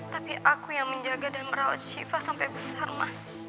tapi aku yang menjaga dan merawat shiva sampai besar mas